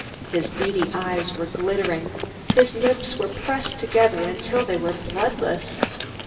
His beady eyes were glittering; his lips were pressed together until they were bloodless.